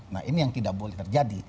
nah ini yang tidak boleh terjadi